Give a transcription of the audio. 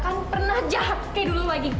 aku nggak mau pernah jahat kayak dulu lagi